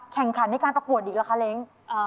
แข่งขันในการประกวดอีกเหรอคะเล้ง